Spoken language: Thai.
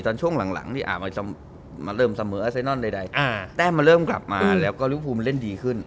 เติมเสมออาเซนอนใดแต้มมันเริ่มกลับมาแล้วก็ลิเวอร์ฟูมันเล่นดีขึ้น